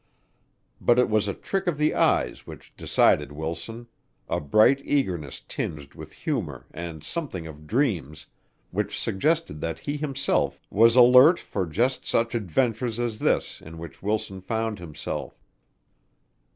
But it was a trick of the eyes which decided Wilson a bright eagerness tinged with humor and something of dreams, which suggested that he himself was alert for just such adventures as this in which Wilson found himself.